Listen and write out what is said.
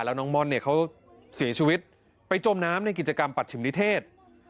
แล้วน้องม่อนเนี่ยเขาเสียชีวิตไปจมน้ำในกิจกรรมปัชฉิมนิเทศ